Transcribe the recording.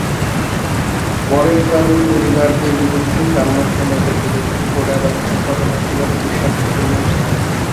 পরেশবাবুর পরিবারদের বিরুদ্ধে, ব্রাহ্মসমাজের বিরুদ্ধে, গোরার অন্তঃকরণ একেবারে বিষাক্ত হইয়া উঠিল।